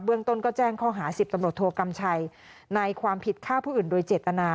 เรื่องต้นก็แจ้งข้อหา๑๐ตำรวจโทกำชัยในความผิดฆ่าผู้อื่นโดยเจตนา